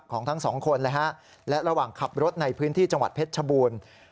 ทั้งสองคนนะฮะและระหว่างขับรถในพื้นที่จังหวัดเพชรชบูรณ์